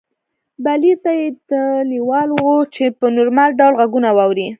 بلییر دې ته لېوال و چې په نورمال ډول غږونه واوري